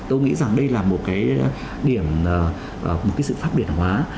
tôi nghĩ rằng đây là một cái điểm một cái sự pháp điển hóa